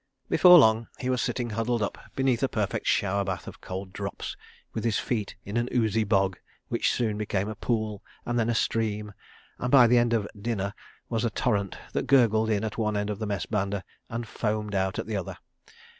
Before long he was sitting huddled up beneath a perfect shower bath of cold drops, with his feet in an oozy bog which soon became a pool and then a stream, and by the end of "dinner" was a torrent that gurgled in at one end of the Mess banda, and foamed out at the other.